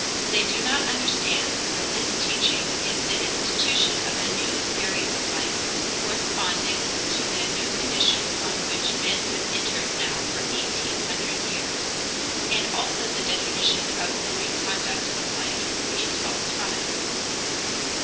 They do not understand that this teaching is the institution of a new theory of life, corresponding to the new conditions on which men have entered now for eighteen hundred years, and also the definition of the new conduct of life which results from it.